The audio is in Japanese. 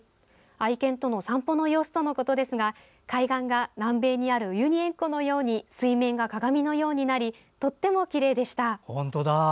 愛犬との散歩の様子とのことですが海岸が南米にあるウユニ塩湖のように水面が鏡のようになりとってもきれいでした。